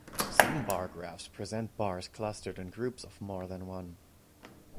Some bar graphs present bars clustered in groups of more than one.